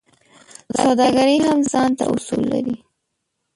سوداګري هم ځانته اصول لري.